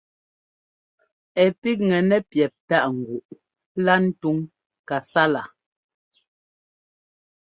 Ɛ píkŋɛ nɛ píɛp tâʼ nguʼ lá ntuŋ kasálaa.